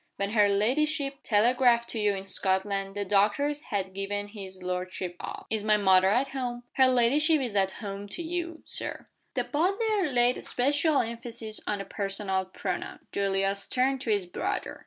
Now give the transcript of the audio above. When her ladyship telegraphed to you in Scotland the doctors had given his lordship up." "Is my mother at home?" "Her ladyship is at home to you,, Sir."' The butler laid a special emphasis on the personal pronoun. Julius turned to his brother.